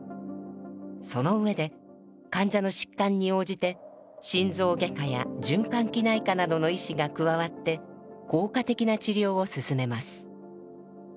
その上で患者の疾患に応じて心臓外科や循環器内科などの医師が加わって効果的な治療を進めます。